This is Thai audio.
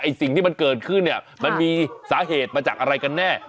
สิ่งที่มันเกิดขึ้นเนี่ยมันมีสาเหตุมาจากอะไรกันแน่